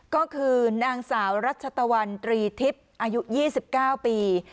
ก็คือนางสาวรัชตะวันตรีทิศอายุยี่สิบเก้าปี